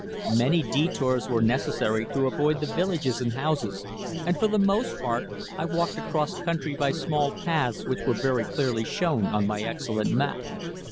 Many detours were necessary to avoid the villages and houses, and for the most part I walked across country by small paths which were very clearly shown on my excellent map.